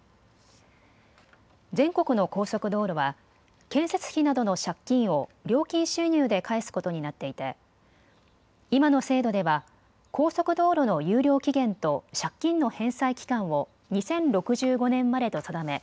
全国の高速道路は建設費などの借金を料金収入で返すことになっていて今の制度では高速道路の有料期限と借金の返済期間を２０６５年までと定め